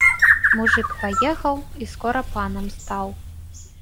Мужык паехаў і скора панам стаў.